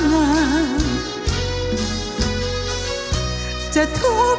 ส่งมือกลับลงที่ตรงเนื้ออาจแทบปาจามูก